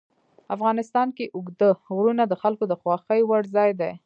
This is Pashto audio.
افغانستان کې اوږده غرونه د خلکو د خوښې وړ ځای دی.